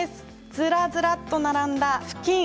ずらずらっと並んだ、ふきん。